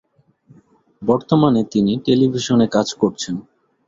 বর্তমানে তিনি টেলিভিশনে কাজ করছেন।